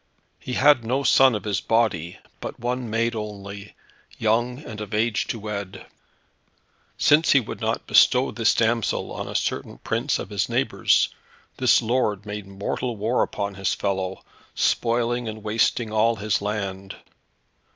He had no son of his body, but one maid only, young, and of an age to wed. Since he would not bestow this damsel on a certain prince of his neighbours, this lord made mortal war upon his fellow, spoiling and wasting all his land.